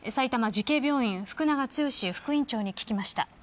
埼玉慈恵病院、藤永剛副院長に聞きました。